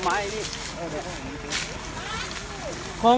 สวัสดีครับทุกคน